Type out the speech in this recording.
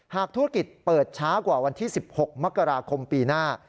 หากธุรกิจเปิดช้ากว่าวันที่๑๖มกราคมปีหน้า